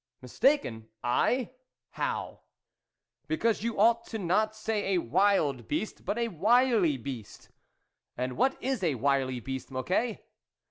" Mistaken ? I ? How ?"" Because you ought not to say a wild beast, but a wily beast." " And what is a wily beast, Mocquet